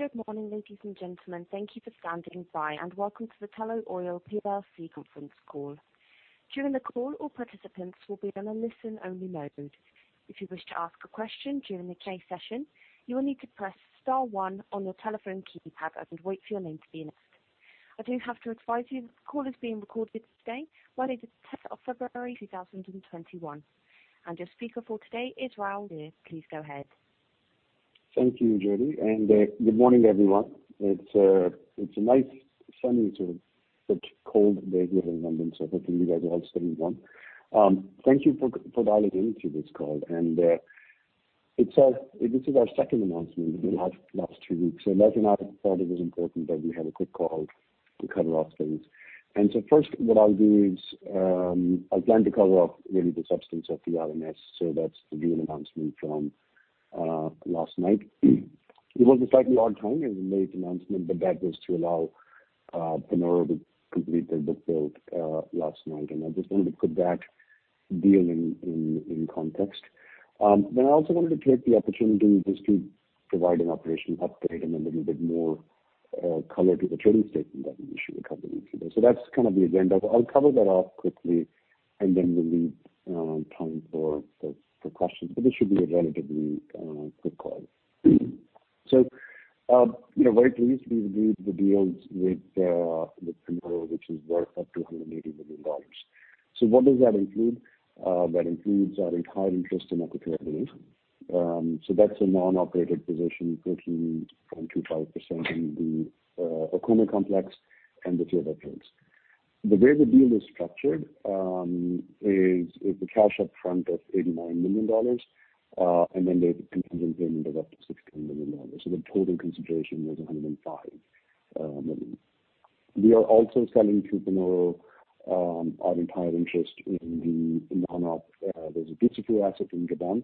Good morning, ladies and gentlemen. Thank you for standing by, and welcome to the Tullow Oil plc conference call. During the call, all participants will be on a listen-only mode. If you wish to ask a question during the Q&A session, you will need to press star one on your telephone keypad and wait for your name to be announced. I do have to advise you, this call is being recorded today, Monday the 10th of February 2021, and your speaker for today is Rahul Dhir. Please go ahead. Thank you, Jody. Good morning, everyone. It's a nice, sunny sort of cold day here in London, so hopefully you guys are also doing well. Thank you for dialing into this call. This is our second announcement in the last two weeks. Les and I thought it was important that we have a quick call to cover off things. First what I'll do is, I plan to cover off really the substance of the RNS, so that's the deal announcement from last night. It was a slightly odd time. It was a late announcement, but that was to allow Panoro to complete their book build last night, and I just wanted to put that deal in context. I also wanted to take the opportunity just to provide an operational update and a little bit more color to the trading statement that we issued a couple of weeks ago. That's kind of the agenda. I'll cover that off quickly, and then we'll leave time for questions. This should be a relatively quick call. We're very pleased we've agreed the deals with Panoro, which is worth up to $180 million. What does that include? That includes our entire interest in Equatorial Guinea. That's a non-operated position, 13.25% in the Okume Complex and the Ceiba fields. The way the deal is structured is the cash upfront of $89 million, and then the contingent payment of up to $60 million. The total consideration is $105 million. We are also selling to Panoro our entire interest in the Dussafu asset in Gabon.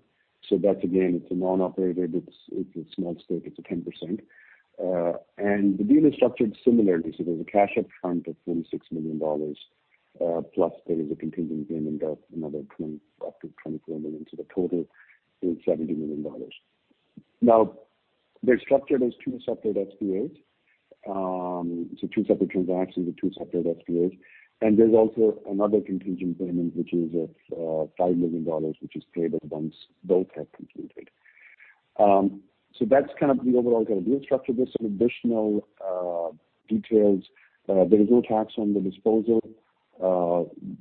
That's, again, it's a non-operated, it's a small stake, it's a 10%. The deal is structured similarly. There's a cash upfront of $46 million, plus there is a contingent payment of up to $24 million. The total is $70 million. They're structured as two separate SPAs. Two separate transactions with two separate SPAs. There's also another contingent payment which is of $5 million, which is paid once both have completed. That's kind of the overall deal structure. There's some additional details. There is no tax on the disposal.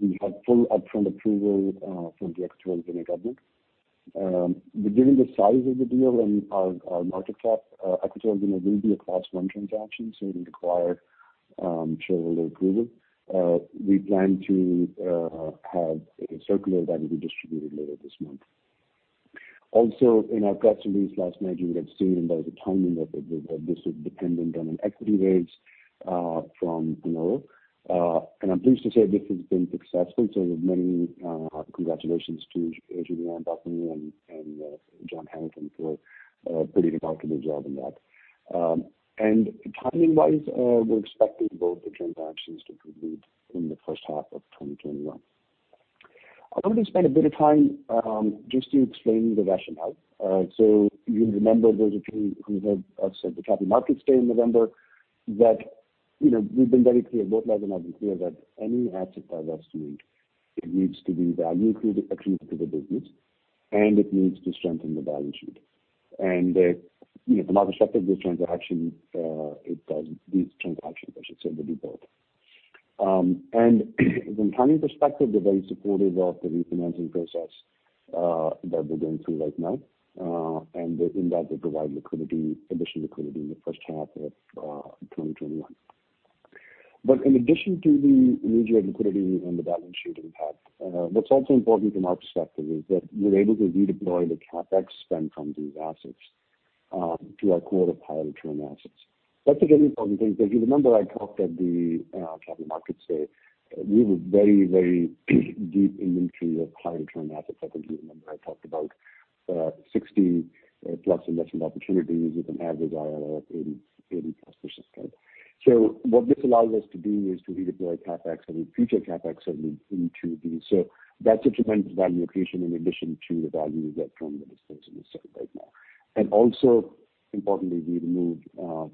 We have full upfront approval from the Equatorial Guinea government. Given the size of the deal and our market cap, Equatorial Guinea will be a Class 1 transaction, so it will require shareholder approval. We plan to have a circular that will be distributed later this month. In our press release last night, you would have seen there was a timing that this was dependent on an equity raise from Panoro. I'm pleased to say this has been successful, many congratulations to Julian Dalley and John Hamilton for a pretty remarkable job in that. Timing-wise, we're expecting both the transactions to complete in the first half of 2021. I want to spend a bit of time just to explain the rationale. You'll remember, those of you who heard us at the Capital Markets Day in November, that we've been very clear, both Les and I have been clear that any asset divestment needs to be value accretive to the business, and it needs to strengthen the balance sheet. From our perspective, this transaction, these transactions, I should say, they do both. From a timing perspective, they're very supportive of the refinancing process that we're going through right now. In that, they provide additional liquidity in the first half of 2021. In addition to the immediate liquidity and the balance sheet impact, what's also important from our perspective is that we're able to redeploy the CapEx spend from these assets to our core, higher return assets. That's a very important thing because you remember I talked at the Capital Markets Day, we have a very, very deep inventory of high return assets. I think you remember I talked about 60+ investment opportunities with an average IRR of 80+%. What this allows us to do is to redeploy CapEx and future CapEx into these. That's a tremendous value creation in addition to the value we get from the assets we sell right now. Also, importantly, we remove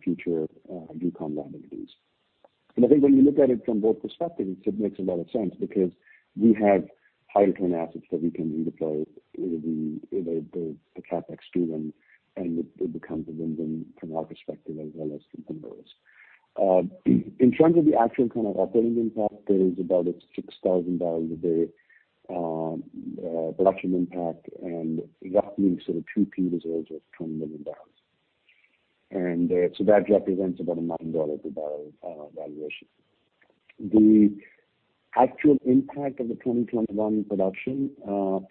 future decom liabilities. I think when you look at it from both perspectives, it makes a lot of sense because we have high return assets that we can redeploy the CapEx to and they become available from our perspective as well as from Panoro's. In terms of the actual kind of operating impact, there is about a 6,000 bbl a day production impact and roughly sort of 2P results of 10 million bbl. So that represents about a $9 a barrel valuation. The actual impact of the 2021 production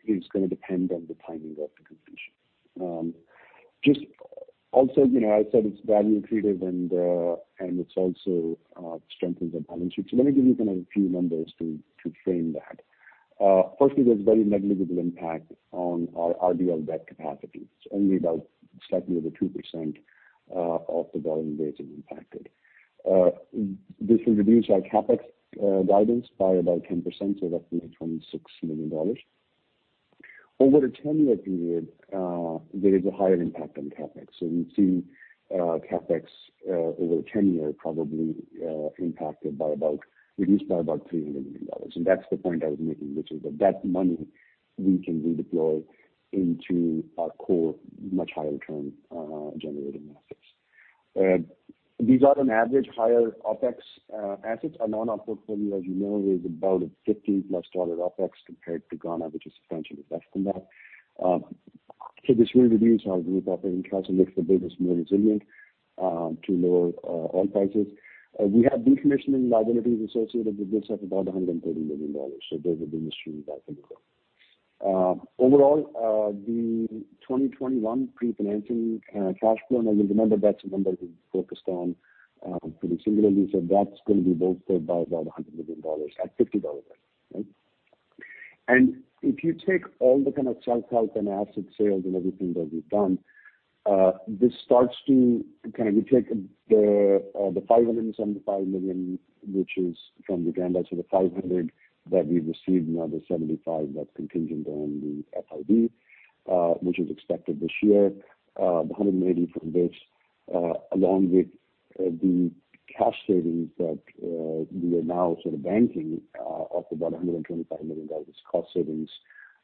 is going to depend on the timing of the completion. Also, I said it's value accretive and it also strengthens our balance sheet. Let me give you kind of a few numbers to frame that. Firstly, there's very negligible impact on our RBL debt capacity. It's only about slightly over 2% of the borrowing base is impacted. This will reduce our CapEx guidance by about 10%, so roughly $26 million. Over a 10-year period, there is a higher impact on CapEx. We see CapEx over 10-year probably reduced by about $300 million. That's the point I was making, which is that money we can redeploy into our core, much higher return generating assets. These are on average higher OpEx assets. Our non-op portfolio, as you know, is about a $50+ OpEx compared to Ghana, which is substantially less than that. This really reduces our group operating costs and makes the business more resilient to lower oil prices. We have decommissioning liabilities associated with this at about $130 million. There's a big issue with that figure. Overall, the 2021 pre-financing cash flow, now you remember that's the number we focused on pretty similarly. That's going to be boosted by about $100 million at $50 price. Right? If you take all the kind of self-help and asset sales and everything that we've done, we take the $575 million, which is from Uganda, the $500 million that we've received. The $75 million that's contingent on the FID, which is expected this year, the $180 million from this, along with the cash savings that we are now sort of banking of about $125 million cost savings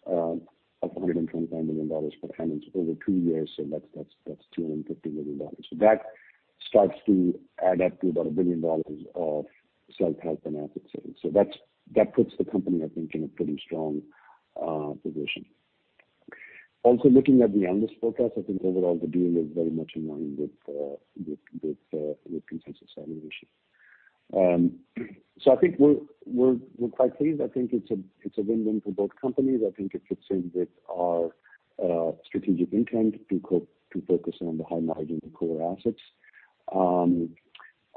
of $125 million per annum. Over two years, that's $250 million. That starts to add up to about $1 billion of self-help and asset savings. That puts the company, I think, in a pretty strong position. Looking at the analyst forecast, I think overall the deal is very much in line with consensus valuation. I think we're quite pleased. I think it's a win-win for both companies. I think it fits in with our strategic intent to focus on the high margin, the core assets.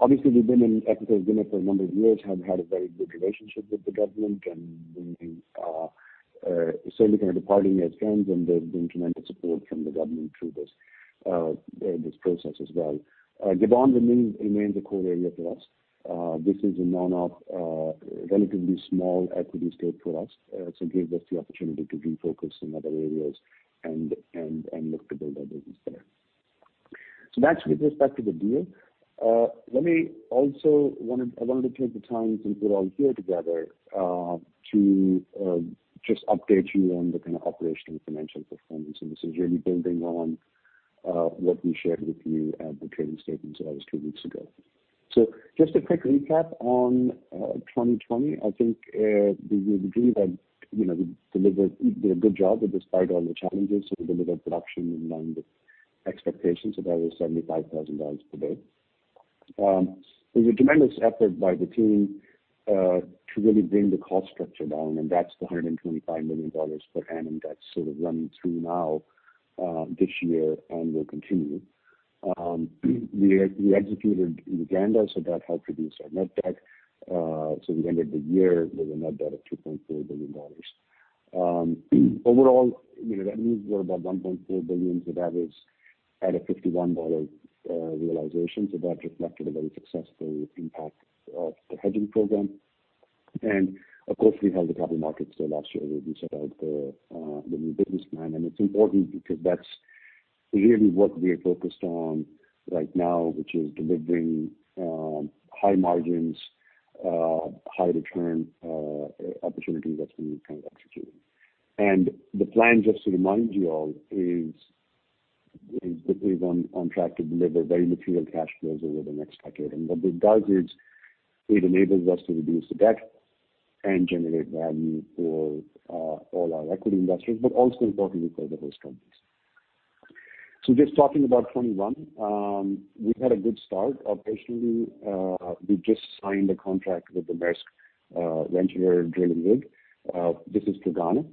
Obviously, we've been in Equatorial Guinea for a number of years, have had a very good relationship with the government, and we certainly kind of departing as friends, and there's been tremendous support from the government through this process as well. Gabon remains a core area for us. This is a non-op, relatively small equity stake for us. It gives us the opportunity to refocus in other areas and look to build our business there. That's with respect to the deal. I wanted to take the time since we're all here together, to just update you on the kind of operational and financial performance. This is really building on what we shared with you at the trading statement that was two weeks ago. Just a quick recap on 2020. I think we agreed that we did a good job despite all the challenges. We delivered production in line with expectations of over 75,000 bbl per day. It was a tremendous effort by the team, to really bring the cost structure down, and that's the $125 million per annum that's sort of running through now, this year, and will continue. We executed Uganda, that helped reduce our net debt. We ended the year with a net debt of $2.4 billion. Overall, that means we're about $1.4 billion with average at a $51 realization. That reflected a very successful impact of the hedging program. Of course, we held the Capital Markets Day last year where we set out the new business plan. It's important because that's really what we are focused on right now, which is delivering high margins, high return opportunities that we kind of executed. The plan, just to remind you all, is on track to deliver very material cash flows over the next decade. What it does is it enables us to reduce the debt and generate value for all our equity investors, but also importantly for the host countries. Just talking about 2021, we've had a good start operationally. We just signed a contract with the Maersk Venturer drilling rig. This is for Ghana,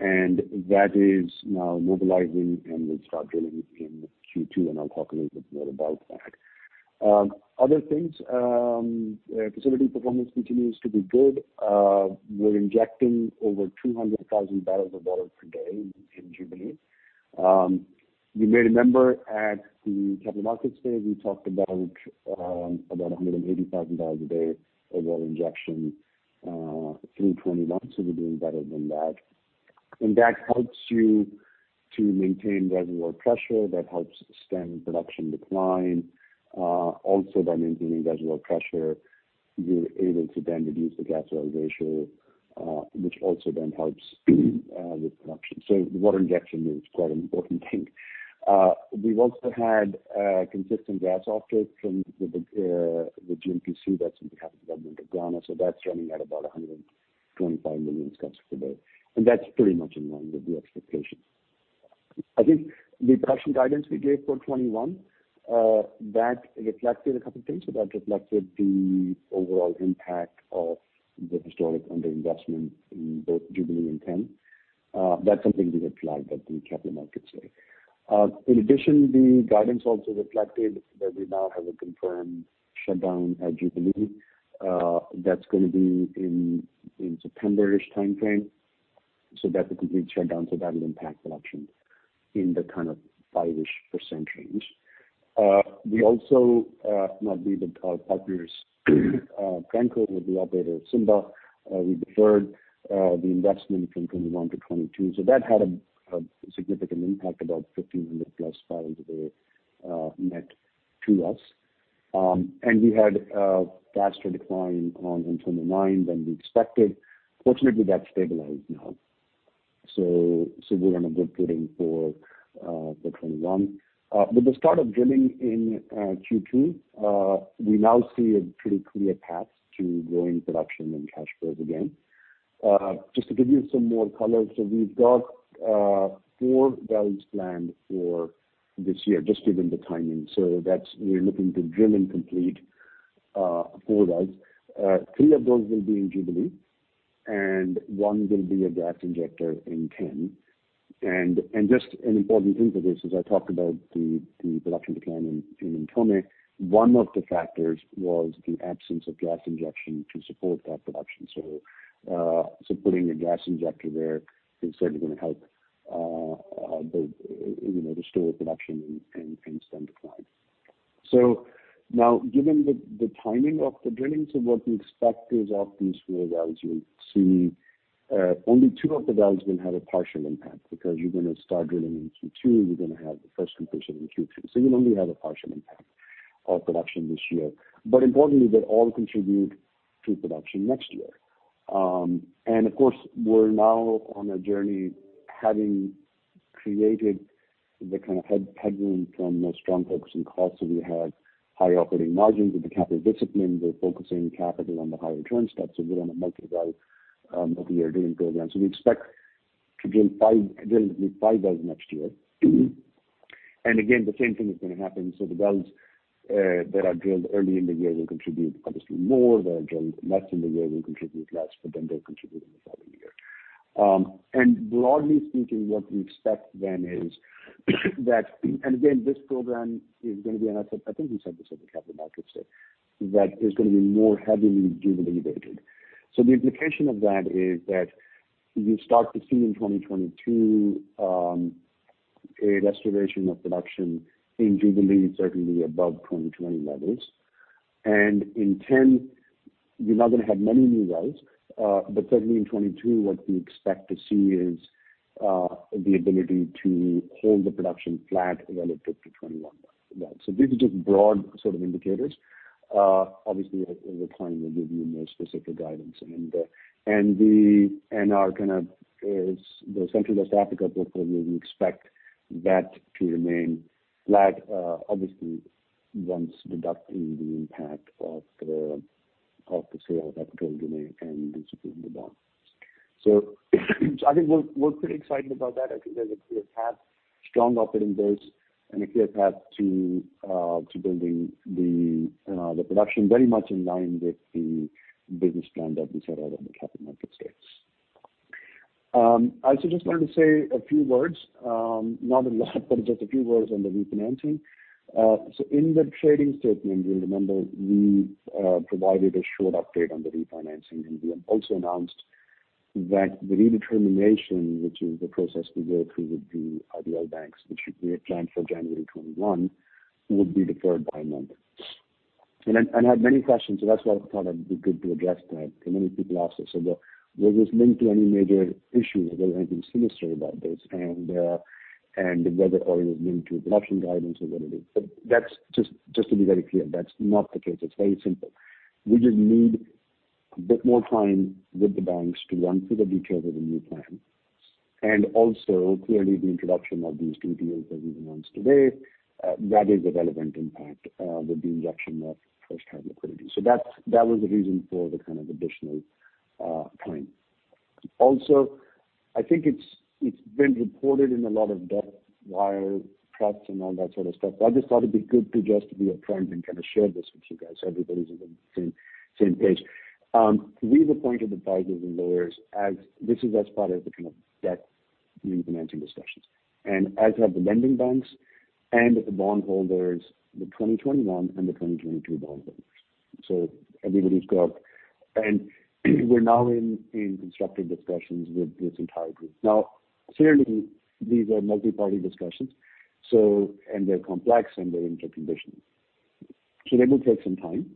and that is now mobilizing and will start drilling in Q2, and I'll talk a little bit more about that. Other things, facility performance continues to be good. We're injecting over 200,000 bbl of water per day in Jubilee. You may remember at the Capital Markets Day, we talked about 180,000 a day of water injection through 2021, so we're doing better than that. That helps you to maintain reservoir pressure, that helps stem production decline. Also by maintaining reservoir pressure, we're able to then reduce the gas oil ratio, which also then helps with production. The water injection is quite an important thing. We also had consistent gas off-takes from the GNPC, that's on behalf of the government of Ghana. That's running at about 125 million scfd, and that's pretty much in line with the expectations. I think the production guidance we gave for 2021, that reflected a couple of things. That reflected the overall impact of the historic underinvestment in both Jubilee and TEN. That's something we red flagged at the Capital Markets Day. In addition, the guidance also reflected that we now have a confirmed shutdown at Jubilee. That's going to be in September-ish timeframe. That's a complete shutdown, so that will impact production in the kind of 5-ish% range. We also, not we, but our partners, Perenco, who are the operator of Simba, we deferred the investment from 2021 to 2022. That had a significant impact, about 1,500+ bbl a day net to us. We had a faster decline on Ntomme-9 than we expected. Fortunately, that's stabilized now. We're in a good footing for the 2021. With the start of drilling in Q2, we now see a pretty clear path to growing production and cash flows again. Just to give you some more color, we've got four wells planned for this year, just given the timing. We're looking to drill and complete four wells. Three of those will be in Jubilee, and one will be a gas injector in TEN. Just an important thing for this, as I talked about the production decline in Ntomme, one of the factors was the absence of gas injection to support that production. Putting a gas injector there is certainly going to help restore production and stem decline. Now, given the timing of the drilling, what we expect is of these four wells, we'll see only two of the wells are going to have a partial impact, because you're going to start drilling in Q2, you're going to have the first completion in Q2. You'll only have a partial impact on production this year. Importantly, they'll all contribute to production next year. Of course, we're now on a journey having created the kind of headroom from a strong focus on costs. We have high operating margins with the capital discipline. We're focusing capital on the higher return stuff. We're on a multi-well, multi-year drilling program. We expect to drill five wells next year. Again, the same thing is going to happen. The wells that are drilled early in the year will contribute obviously more, that are drilled less in the year will contribute less, but then they'll contribute in the following year. Broadly speaking, what we expect then is that. Again, this program is going to be, and I think we said this at the Capital Markets Day, that is going to be more heavily Jubilee-weighted. The implication of that is that you'll start to see in 2022 a restoration of production in Jubilee, certainly above 2020 levels. In TEN, you're not going to have many new wells, but certainly in 2022, what we expect to see is the ability to hold the production flat relative to 2021 levels. These are just broad sort of indicators. Obviously, over time, we'll give you more specific guidance. Our kind of Central West Africa portfolio, we expect that to remain flat, obviously once deducting the impact of the sale of Appletree and Simba. I think we're pretty excited about that. I think there's a clear path, strong operating base, and a clear path to building the production very much in line with the business plan that we set out on the Capital Markets Day. I also just wanted to say a few words, not a lot, but just a few words on the refinancing. In the trading statement, you'll remember we provided a short update on the refinancing, and we have also announced that the redetermination, which is the process we go through with the RBL banks, which we had planned for January 2021, would be deferred by a month. I had many questions, that's why I thought it'd be good to address that. Many people asked us, was this linked to any major issue? Was there anything sinister about this? Whether it was linked to production guidance or whether it is. Just to be very clear, that's not the case. It's very simple. We just need a bit more time with the banks to run through the details of the new plan. Clearly, the introduction of these two deals that we've announced today, that is a relevant impact with the injection of fresh capital liquidity. That was the reason for the kind of additional time. I think it's been reported in a lot of depth by press and all that sort of stuff, but I just thought it'd be good to just be upfront and kind of share this with you guys so everybody's on the same page. We've appointed advisors and lawyers as part of the kind of debt refinancing discussions. As have the lending banks and the bondholders, the 2021 and the 2022 bondholders. We're now in constructive discussions with this entire group. Clearly, these are multi-party discussions, and they're complex, and they're interconditioned. They will take some time,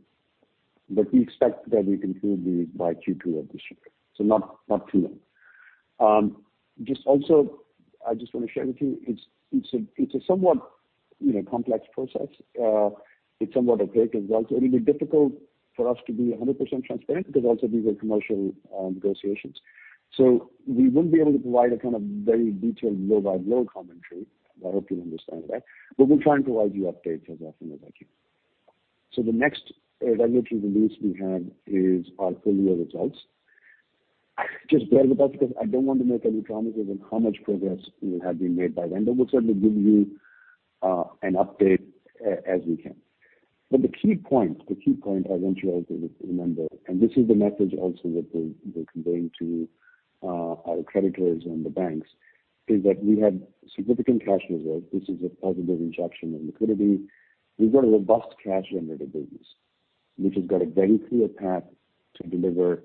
but we expect that we conclude these by Q2 of this year. Not too long. Just also, I just want to share with you, it's a somewhat complex process. It's somewhat opaque as well. It will be difficult for us to be 100% transparent because also these are commercial negotiations. We won't be able to provide a kind of very detailed row-by-row commentary. I hope you understand that. We'll try and provide you updates as often as I can. The next regulatory release we have is our full year results. Just bear with us because I don't want to make any promises on how much progress will have been made by then, but we'll certainly give you an update as we can. The key point I want you all to remember, and this is the message also that we're conveying to our creditors and the banks, is that we have significant cash reserves. This is a positive injection of liquidity. We've got a robust cash-generative business, which has got a very clear path to deliver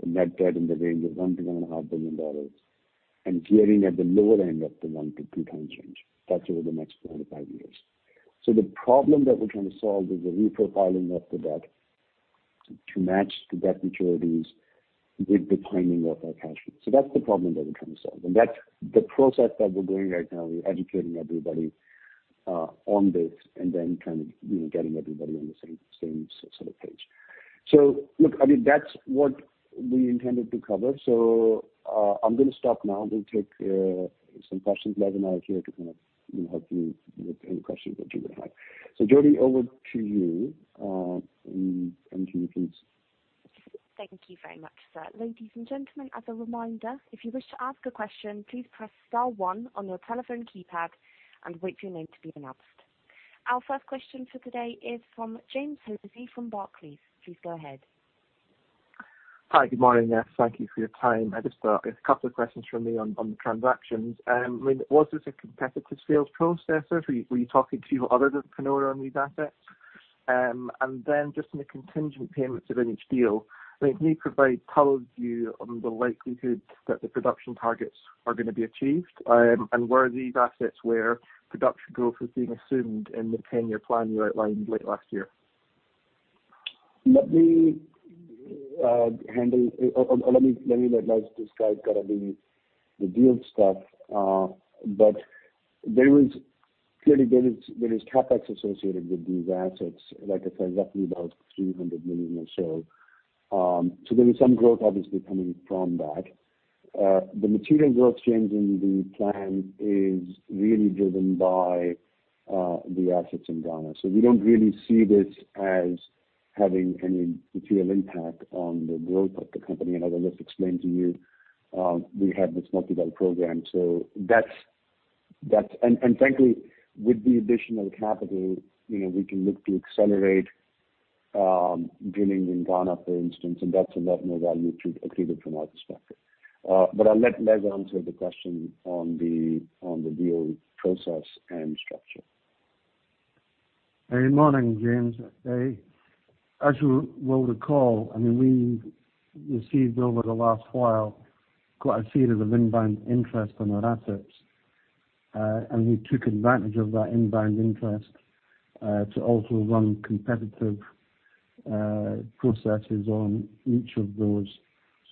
the net debt in the range of $1 billion-$1.5 billion, and gearing at the lower end of the 1-2x range. That's over the next four to five years. The problem that we're trying to solve is the reprofiling of the debt to match the debt maturities with the timing of our cash flow. That's the problem that we're trying to solve. That's the process that we're doing right now. We're educating everybody on this and then trying to get everybody on the same sort of page. Look, that's what we intended to cover. I'm going to stop now. I'm going to take some questions. Les and I are here to help you with any questions that you might have. Jody, over to you, and to you please. Thank you very much, sir. Ladies and gentlemen, as a reminder, if you wish to ask a question, please press star one on your telephone keypad and wait for your name to be announced. Our first question for today is from James Hosie from Barclays. Please go ahead. Hi. Good morning. Thank you for your time. I just thought a couple of questions from me on the transactions. Was this a competitive sales process? Were you talking to other than Panoro on these assets? Then just in the contingent payments of each deal, can you provide color to you on the likelihood that the production targets are going to be achieved? Were these assets where production growth was being assumed in the 10-year plan you outlined late last year? Let me let Les describe the deal stuff. Clearly, there is CapEx associated with these assets, like I said, roughly about $300 million or so. There is some growth obviously coming from that. The material growth change in the plan is really driven by the assets in Ghana. We don't really see this as having any material impact on the growth of the company. As I just explained to you, we have this multi-well program. Frankly, with the additional capital, we can look to accelerate drilling in Ghana, for instance, and that's a net new value to accretive from our perspective. I'll let Les answer the question on the deal process and structure. Good morning, James. As you will recall, we received over the last while quite a theater of inbound interest on our assets. We took advantage of that inbound interest to also run competitive processes on each of those.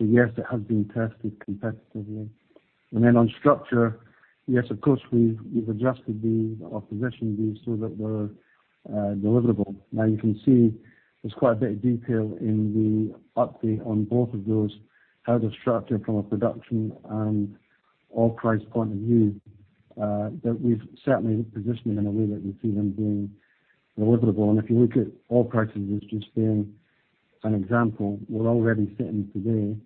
Yes, it has been tested competitively. On structure, yes, of course, we've adjusted our position so that we're deliverable. You can see there's quite a bit of detail in the update on both of those, how they're structured from a production and oil price point of view, that we've certainly positioned them in a way that we see them being deliverable. If you look at oil prices as just being an example, we're already sitting today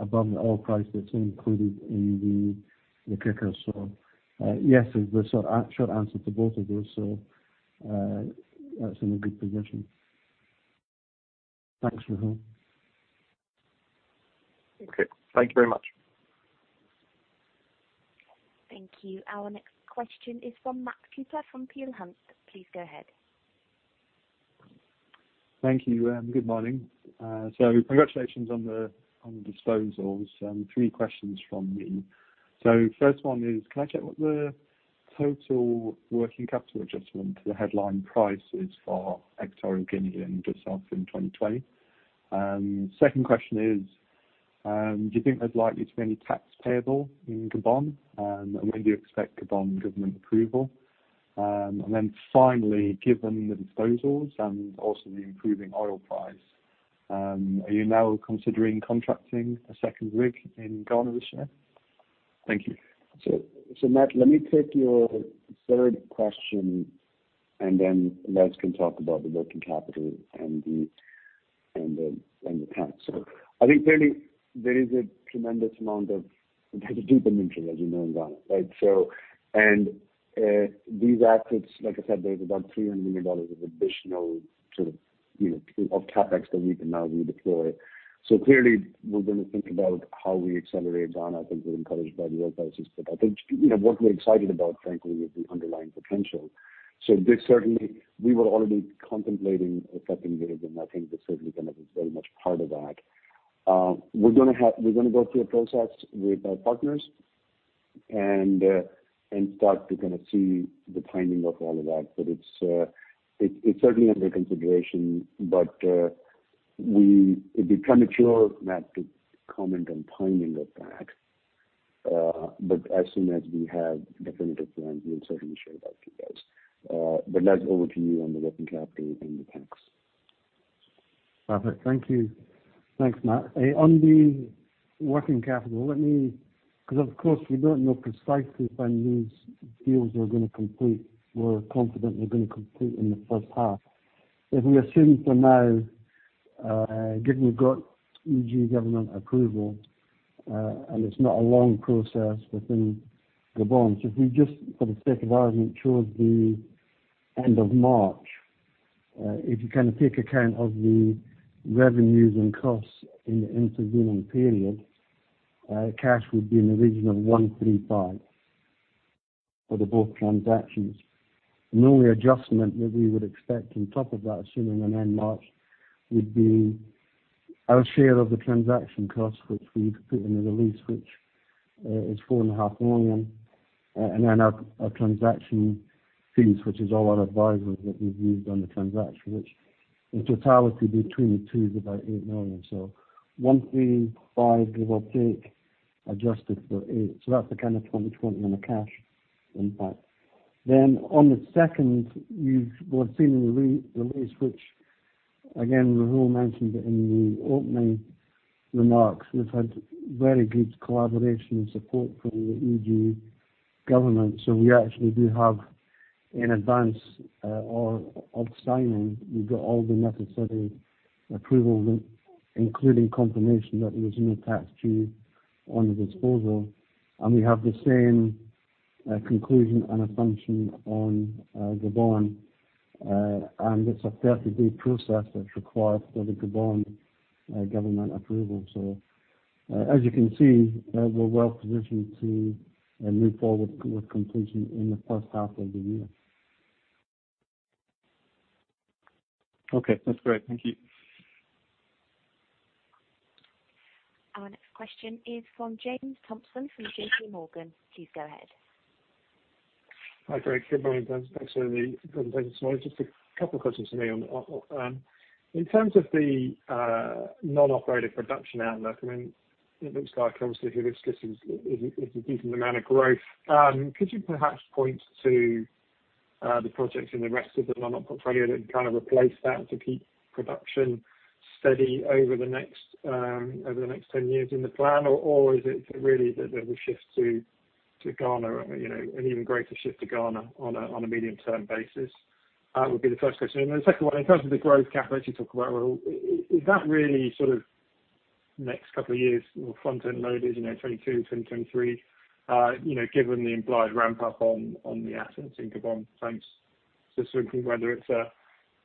above the oil price that's included in the kicker. Yes, is the short answer to both of those. That's in a good position. Thanks, Rahul. Okay. Thank you very much. Thank you. Our next question is from Matt Cooper from Peel Hunt. Please go ahead. Thank you, and good morning. Congratulations on the disposals. three questions from me. First one is, can I check what the total working capital adjustment to the headline price is for Equatorial Guinea and yourself in 2020? Second question is, do you think there's likely to be any tax payable in Gabon? When do you expect Gabon government approval? Finally, given the disposals and also the improving oil price, are you now considering contracting a second rig in Ghana this year? Thank you. Matt, let me take your third question, and then Les can talk about the working capital and the tax. I think clearly there is a tremendous amount of deep interest, as you know, in Ghana, right? These assets, like I said, there's about $300 million of additional sort of CapEx that we can now redeploy. Clearly, we're going to think about how we accelerate Ghana. I think we're encouraged by the oil prices. I think what we're excited about, frankly, is the underlying potential. We were already contemplating a second rig, and I think this certainly is very much part of that. We're going to go through a process with our partners and start to see the timing of all of that. It's certainly under consideration, but it'd be premature, Matt, to comment on timing of that. As soon as we have definitive plans, we'll certainly share that with you guys. Les, over to you on the working capital and the tax. Perfect. Thank you. Thanks, Matt. On the working capital, because of course we don't know precisely when these deals are going to complete. We're confident they're going to complete in the first half. If we assume for now, given we've got EG government approval, and it's not a long process within Gabon. If we just for the sake of argument towards the end of March, if you take account of the revenues and costs in the intervening period, cash would be in the region of $135. For the both transactions. The only adjustment that we would expect on top of that, assuming an end March, would be our share of the transaction costs, which we've put in the release, which is $4.5 million. Our transaction fees, which is all our advisors that we've used on the transaction, which in totality between the two is about $8 million. $1.5, give or take, adjusted for $8. That's the kind of 2020 number cash impact. On the second, you would have seen in the release, which again, Rahul mentioned in the opening remarks, we've had very good collaboration and support from the EG government. We actually do have an advance of signing. We've got all the necessary approvals, including confirmation that there is no tax due on the disposal. We have the same conclusion and assumption on Gabon. It's a 30-day process that's required for the Gabon government approval. As you can see, we're well positioned to move forward with completion in the first half of the year. Okay. That's great. Thank you. Our next question is from James Thompson from JPMorgan. Please go ahead. Hi, great. Good morning, thanks for the presentation this morning. Just a couple of questions to me on. In terms of the non-operated production outlook, it looks like obviously there is a decent amount of growth. Could you perhaps point to the projects in the rest of the non-op portfolio that kind of replace that to keep production steady over the next 10 years in the plan? Is it really that there was a shift to Ghana, an even greater shift to Ghana on a medium-term basis? That would be the first question. The second one, in terms of the growth CapEx you talk about, Rahul, is that really sort of next couple of years or front-end loaded, 2022, 2023, given the implied ramp-up on the assets in Gabon? Just wondering whether it's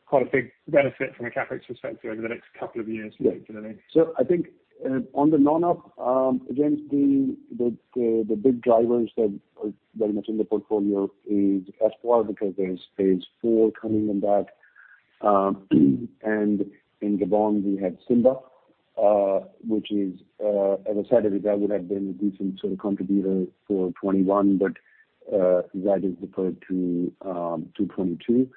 quite a big benefit from a CapEx perspective over the next couple of years, particularly. I think on the non-op, again, the big drivers that are very much in the portfolio is Espoir, because there's phase IV coming in that. In Gabon, we have Simba, which is as I said, that would have been a decent sort of contributor for 2021, but that is deferred to 2022.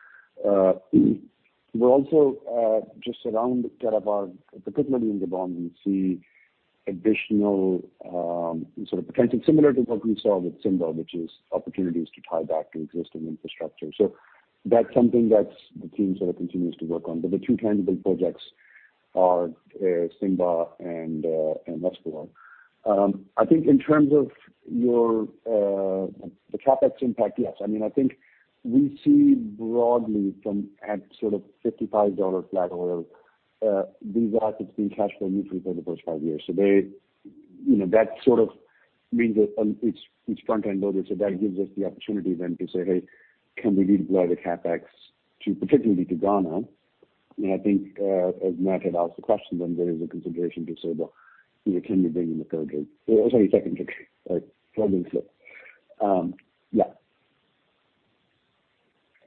We're also just around Karaba, particularly in Gabon, we see additional sort of potential, similar to what we saw with Simba, which is opportunities to tie back to existing infrastructure. That's something that the team sort of continues to work on. The two tangible projects are Simba and Espoir. I think in terms of the CapEx impact, yes. I think we see broadly from at sort of $55 flat oil, these assets being cash flow neutral for the first five years. That sort of means that it's front-end loaded, so that gives us the opportunity then to say, "Hey, can we redeploy the CapEx particularly to Ghana?" I think, as Matt had asked the question then there is a consideration to say, "Well, can we bring in the third gate?" Or sorry, second gate. Tongue in slip. Yeah.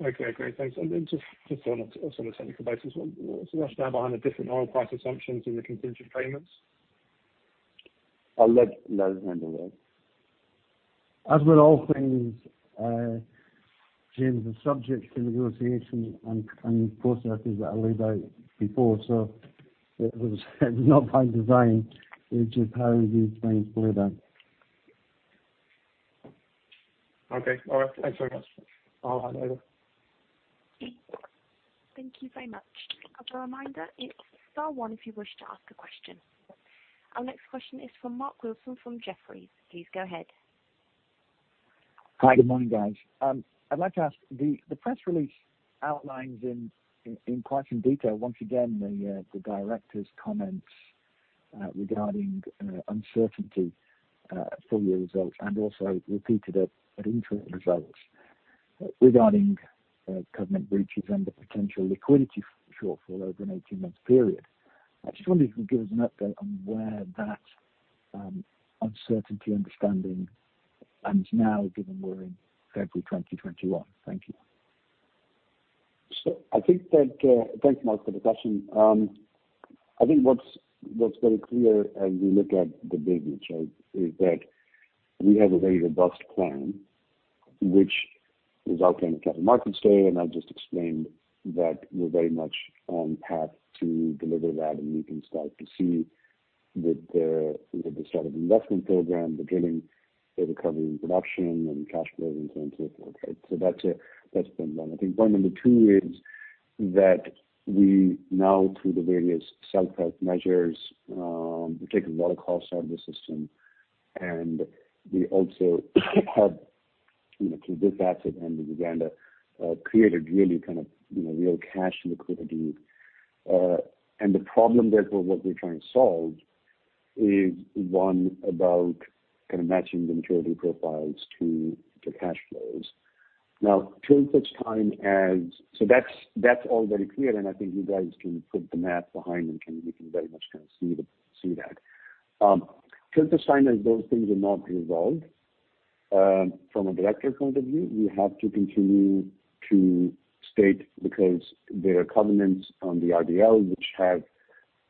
Okay, great. Thanks. Just on a technical basis, what's the rationale behind the different oil price assumptions in the contingent payments? I'll let Les handle that. As with all things, James, are subject to negotiation and processes that I laid out before. It was not by design, it's just how we do things further. Okay, all right. Thanks very much. I'll hang up. Thank you very much. As a reminder, it's star one if you wish to ask a question. Our next question is from Mark Wilson from Jefferies. Please go ahead. Hi, good morning, guys. I'd like to ask, the press release outlines in quite some detail, once again, the director's comments regarding uncertainty full-year results and also repeated at interim results regarding covenant breaches and the potential liquidity shortfall over an 18-month period. I just wondered if you could give us an update on where that uncertainty understanding stands now, given we're in February 2021. Thank you. I think that, thanks, Mark, for the question. I think what's very clear as we look at the business is that we have a very robust plan, which is outlined in the Capital Markets Day, and I've just explained that we're very much on path to deliver that, and you can start to see the start of the investment program, the drilling, the recovery in production, and cash flow and so on, so forth, right? That's been done. I think point number two is that we now through the various self-help measures, we've taken a lot of costs out of the system. We also have, through this asset and Uganda, created really kind of real cash and liquidity. The problem therefore what we're trying to solve is one about kind of matching the maturity profiles to the cash flows now, that's all very clear, and I think you guys can put the math behind and you can very much kind of see that. Till the time those things are not resolved, from a director's point of view, we have to continue to state because there are covenants on the RBL, which have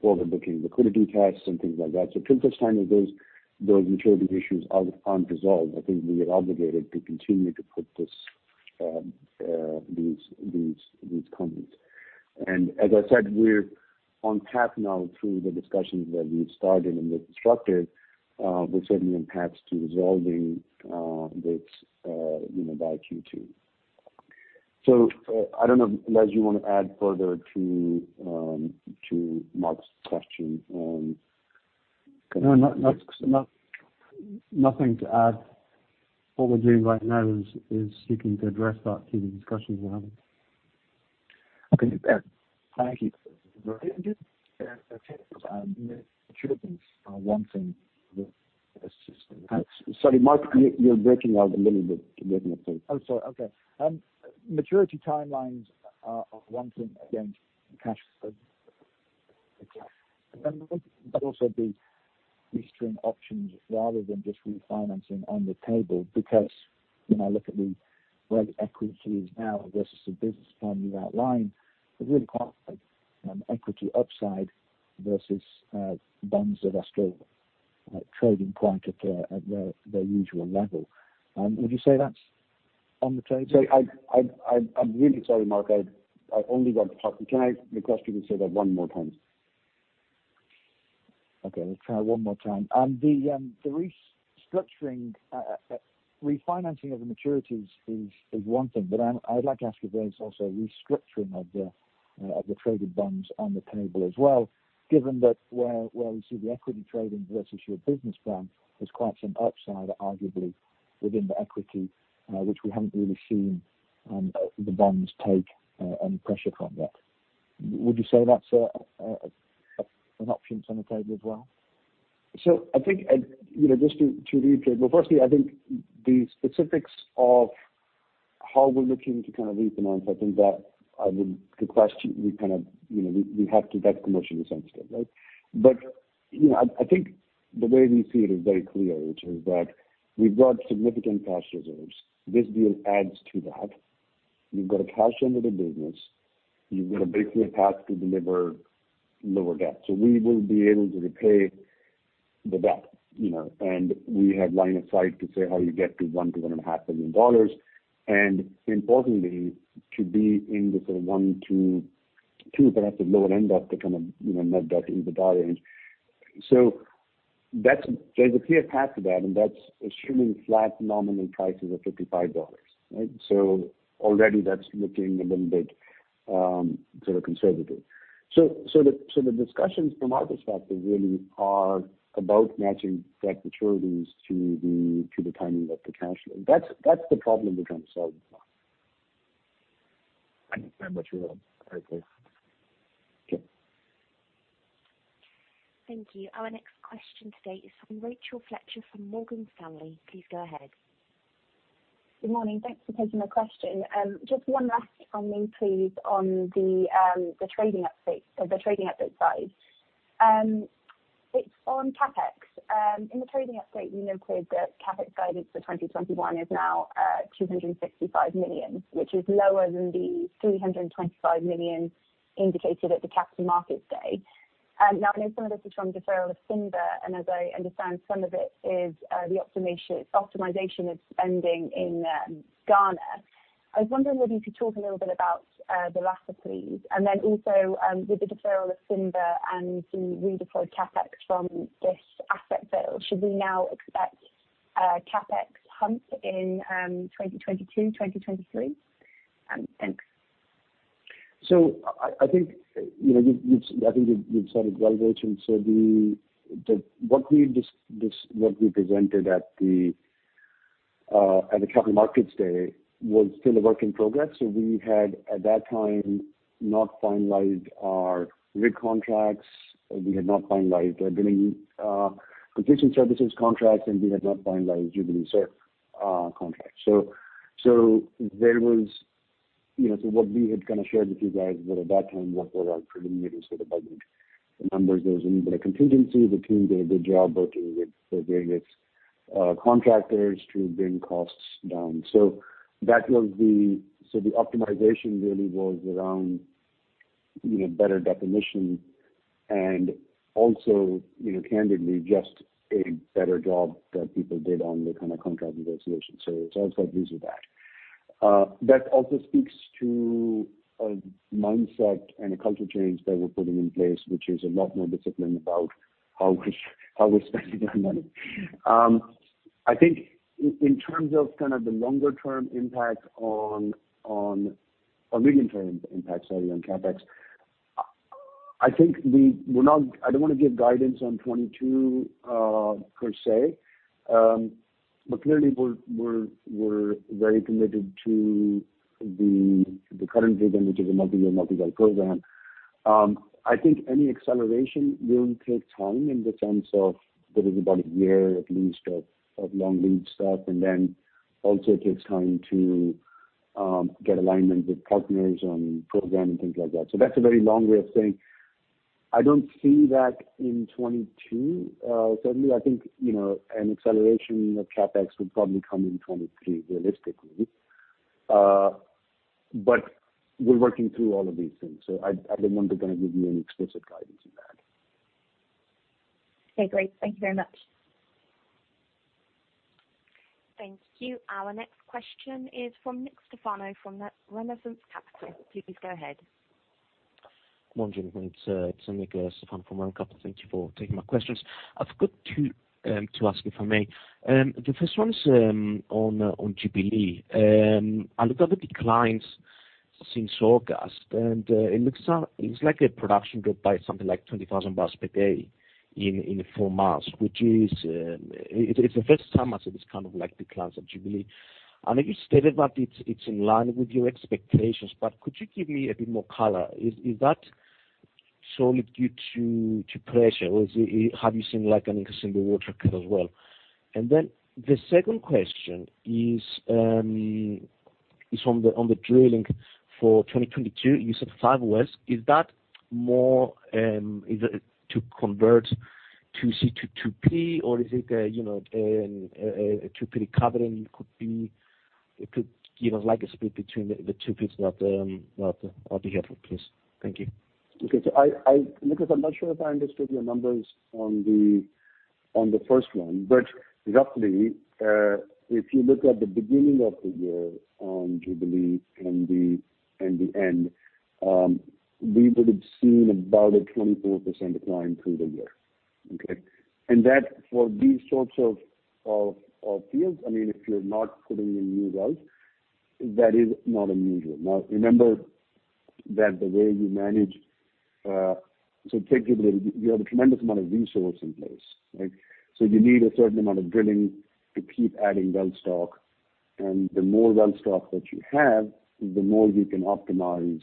overbooking liquidity tests and things like that. Till the time that those maturity issues aren't resolved, I think we are obligated to continue to put these covenants. As I said, we're on path now through the discussions that we've started and with restructurers, we're certainly on path to resolving this by Q2. I don't know, Les, you want to add further to Mark's question on. No, nothing to add. What we're doing right now is seeking to address that through the discussions we're having. Okay. Thank you. Maturities are one thing that. Sorry, Mark, you're breaking up a little bit. You're breaking up a bit. Oh, sorry. Okay. Refinancing of the maturities are one thing, again, cash flow. Also the restructure options rather than just refinancing on the table, because when I look at where the equity is now versus the business plan you've outlined, there's really quite an equity upside versus bonds that are still trading quite at their usual level. Would you say that's on the table? Sorry. I'm really sorry, Mark. I only got part. Can I request you to say that one more time? Okay, let's try one more time. The refinancing of the maturities is one thing, but I'd like to ask if there is also a restructuring of the traded bonds on the table as well, given that where we see the equity trading versus your business plan, there's quite some upside, arguably, within the equity, which we haven't really seen the bonds take any pressure from that. Would you say that's an option on the table as well? I think just to reiterate, well, firstly, I think the specifics of how we're looking to kind of refinance, I think that's commercially sensitive, right? I think the way we see it is very clear, which is that we've got significant cash reserves. This deal adds to that. We've got a cash generative business. We've got a clear path to deliver lower debt. We will be able to repay the debt, and we have line of sight to say how you get to $1 billion-$1.5 billion, and importantly, to be in the sort of one to two, but at the lower end of the kind of net debt, EBITDA range. There's a clear path to that, and that's assuming flat nominal prices of $55, right? Already that's looking a little bit sort of conservative. The discussions from our perspective really are about matching debt maturities to the timing of the cash flow. That's the problem we're trying to solve. Thank you very much. Okay. Thank you. Our next question today is from Rachel Fletcher from Morgan Stanley. Please go ahead. Good morning. Thanks for taking my question. Just one last from me, please, on the trading update side. It is on CapEx. In the trading update, you noted that CapEx guidance for 2021 is now $265 million, which is lower than the $325 million indicated at the Capital Markets Day. Now, I know some of this is from deferral of Simba, and as I understand, some of it is the optimization of spending in Ghana. I was wondering whether you could talk a little bit about the latter, please. With the deferral of Simba and the redeployed CapEx from this asset sale, should we now expect a CapEx hump in 2022, 2023? Thanks. I think you've started well, Rachel. What we presented at the Capital Markets Day was still a work in progress. We had, at that time, not finalized our RIG contracts, we had not finalized our well contingent services contracts, and we had not finalized Jubilee SURF contracts. What we had kind of shared with you guys were at that time what were our preliminary sort of budgeted numbers. There was a little bit of contingency. The team did a good job working with the various contractors to bring costs down. The optimization really was around better definition and also candidly just a better job that people did on the kind of contract negotiation. It's also a mix of that. That also speaks to a mindset and a culture change that we're putting in place, which is a lot more discipline about how we're spending our money. I think in terms of kind of the longer-term impact on, or medium-term impact, sorry, on CapEx, I don't want to give guidance on 2022 per se. Clearly we're very committed to the current program, which is a multi-year, multi-well program. I think any acceleration will take time in the terms of there is about a year at least of long lead stuff, and then also it takes time to get alignment with partners on program and things like that. That's a very long way of saying, I don't see that in 2022. Certainly, I think, an acceleration of CapEx would probably come in 2023, realistically. We're working through all of these things, so I don't want to kind of give you any explicit guidance on that. Okay, great. Thank you very much. Thank you. Our next question is from Nick Stefanou from Renaissance Capital. Please go ahead. Good morning. It's Nick Stefanou from Renaissance Capital. Thank you for taking my questions. I've got two to ask, if I may. The first one's on Jubilee. I looked at the declines since August, it looks like a production drop by something like 20,000 bbl per day in four months, which is, it's the first time I've seen this kind of decline at Jubilee. I know you stated that it's in line with your expectations, could you give me a bit more color? Is that solely due to pressure, have you seen an increase in the water cut as well? The second question is on the drilling for 2022. You said five wells. Is that more to convert 2C to 2P or is it a 2P recovery? Could you give a split between the two, please? That'd be helpful, please. Thank you. Okay. Nick, I'm not sure if I understood your numbers on the first one, but roughly, if you look at the beginning of the year on Jubilee and the end, we would've seen about a 24% decline through the year. Okay. That, for these sorts of fields, if you're not putting in new wells, that is not unusual. Remember that the way you manage. Take Jubilee. We have a tremendous amount of resource in place, right? You need a certain amount of drilling to keep adding well stock. The more well stock that you have, the more you can optimize.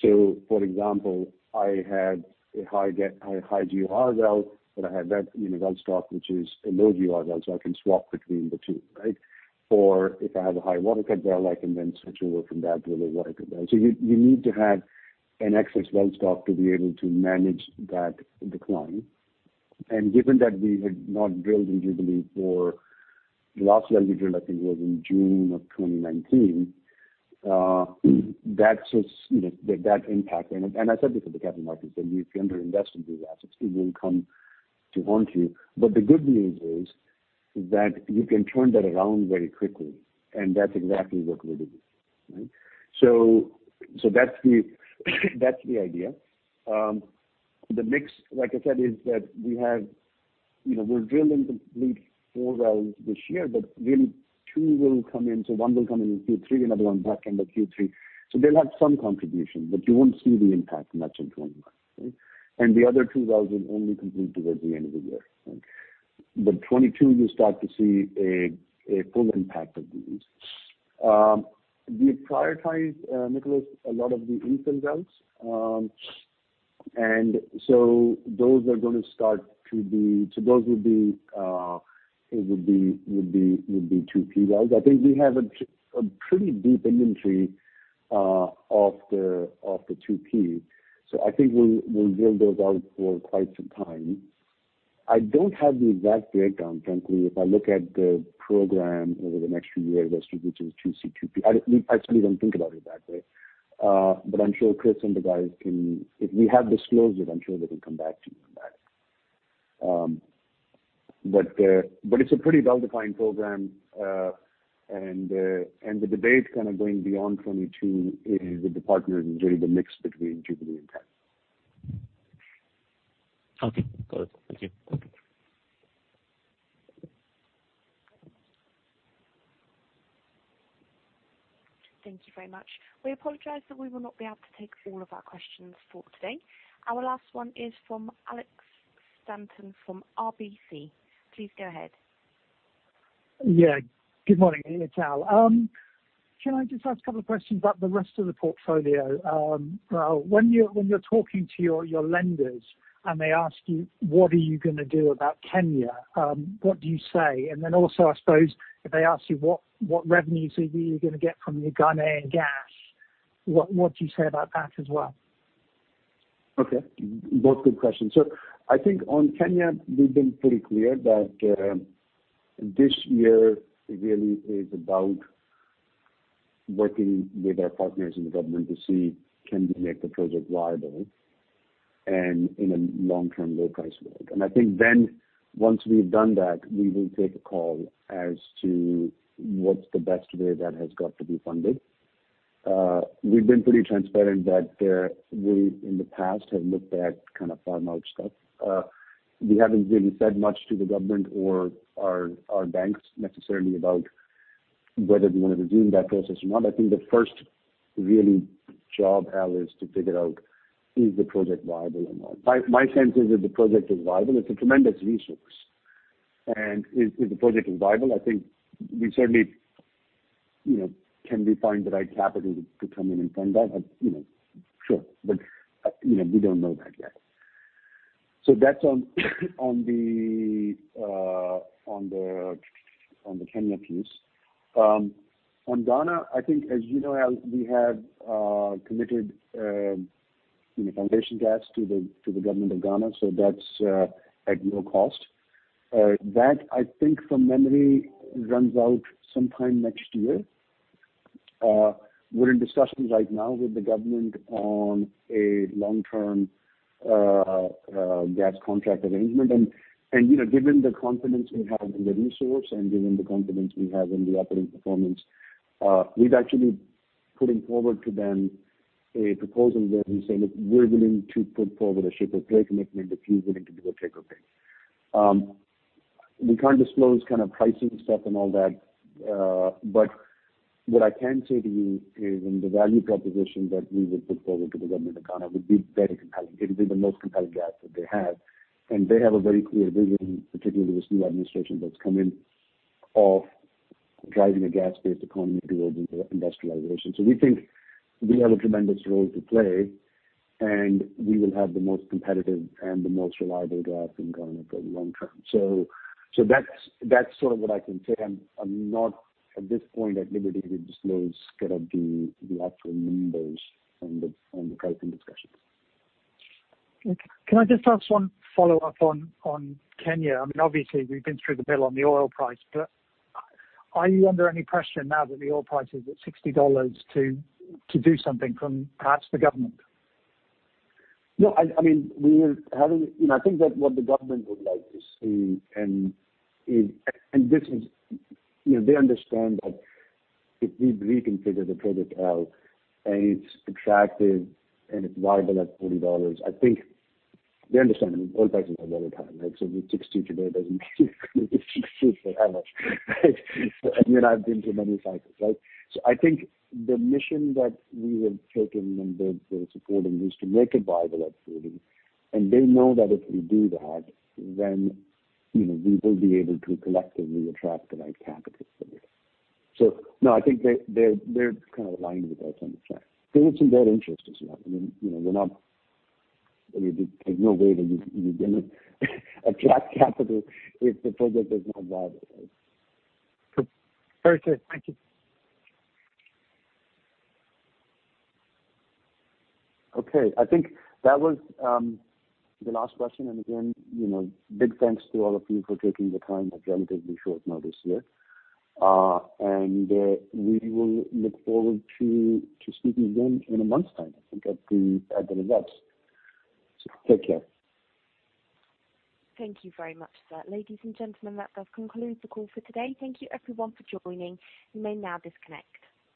For example, I have a high GOR well, but I have that well stock which is a low GOR well, so I can swap between the two, right? If I have a high water cut well, I can then switch over from that to other water cut well. You need to have an excess well stock to be able to manage that decline. Given that we had not drilled in Jubilee, the last well we drilled, I think, was in June of 2019. That impact, and I said this at the Capital Markets, that if you under-invest in these assets, it will come to haunt you. The good news is that you can turn that around very quickly, and that's exactly what we'll do. Right? That's the idea. The mix, like I said, is that we're drilling to complete four wells this year, but really two will come in. One will come in in Q3, another one back end of Q3. They'll have some contribution, but you won't see the impact much in 2021. Right? The other two wells will only complete towards the end of the year. Right? 2022, you'll start to see a full impact of these. We prioritize, Nicholas, a lot of the infill wells. Those would be 2P wells. I think we have a pretty deep inventory of the 2Ps. I think we'll drill those out for quite some time. I don't have the exact breakdown, frankly. If I look at the program over the next few years as to which is 2C, 2P, I actually don't think about it that way. I'm sure Chris and the guys can If we have disclosed it, I'm sure they can come back to you on that. It's a pretty well-defined program. The debate kind of going beyond 2022 is with the partners and really the mix between Jubilee and TEN. Okay. Got it. Thank you. Thank you very much. We apologize that we will not be able to take all of our questions for today. Our last one is from Al Stanton from RBC. Please go ahead. Yeah. Good morning. It's Al. Can I just ask a couple of questions about the rest of the portfolio? When you're talking to your lenders and they ask you what are you gonna do about Kenya? What do you say? Also, I suppose, if they ask you what revenues are you gonna get from your Ghana gas, what do you say about that as well? Okay. Both good questions. I think on Kenya, we've been pretty clear that this year really is about working with our partners in the government to see can we make the project viable and in a long-term low price world. I think then once we've done that, we will take a call as to what's the best way that has got to be funded. We've been pretty transparent that we, in the past, have looked at kind of farm-out stuff. We haven't really said much to the government or our banks necessarily about whether we want to resume that process or not. The first really job, Al, is to figure out is the project viable or not. My sense is that the project is viable. It's a tremendous resource. If the project is viable, I think we certainly. Can we find the right capital to come in and fund that? Sure. We don't know that yet. That's on the Kenya piece. On Ghana, I think as you know, Al, we have committed foundation gas to the government of Ghana, so that's at no cost. That, I think from memory, runs out sometime next year. We're in discussions right now with the government on a long-term gas contract arrangement. Given the confidence we have in the resource and given the confidence we have in the operating performance, we're actually putting forward to them a proposal where we say, "Look, we're willing to put forward a ship or pay commitment if he's willing to do a take or pay." We can't disclose pricing stuff and all that. What I can say to you is in the value proposition that we would put forward to the Government of Ghana would be very compelling. It would be the most compelling gas that they have. They have a very clear vision, particularly this new administration that's come in, of driving a gas-based economy towards industrialization. We think we have a tremendous role to play, and we will have the most competitive and the most reliable gas in Ghana for the long-term. That's sort of what I can say. I'm not, at this point, at liberty to disclose the actual numbers on the pricing discussions. Okay. Can I just ask one follow-up on Kenya? Obviously, we've been through the bill on the oil price, but are you under any pressure now that the oil price is at $60 to do something from perhaps the government? No, I think that what the government would like to see, and they understand that if we reconfigure the project, Al, and it's attractive and it's viable at $40, I think they understand oil prices have all the time, right? If it's $60 today, it doesn't mean it's $60 forever, right? I've been through many cycles. I think the mission that we have taken and they're supporting is to make it viable at $40, and they know that if we do that, then we will be able to collectively attract the right capital for it. No, I think they're kind of aligned with us on the fact. It's in their interest as well. There's no way that you're going to attract capital if the project is not viable, right? Perfect. Thank you. Okay. I think that was the last question. Again, big thanks to all of you for taking the time at relatively short notice here. We will look forward to speaking again in a month's time, I think, at the results. Take care. Thank you very much, sir. Ladies and gentlemen, that does conclude the call for today. Thank you everyone for joining. You may now disconnect.